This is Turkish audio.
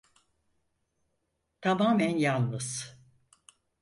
Tamamen yalnız.